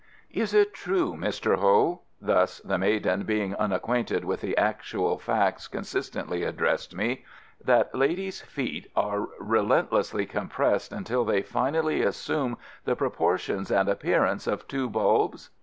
"Is it true, Mr. Ho" (thus the maiden, being unacquainted with the actual facts, consistently addressed me), "that ladies' feet are relentlessly compressed until they finally assume the proportions and appearance of two bulbs?"